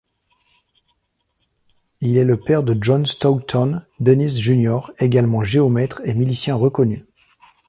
Il est le père de John Stoughton Dennis Jr., également géomètre et milicien reconnu.